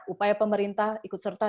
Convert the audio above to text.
upaya pemerintah ikut serta